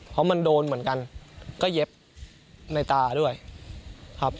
เพราะมันโดนเหมือนกันก็เย็บในตาด้วยครับ